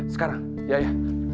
sekarang ya ya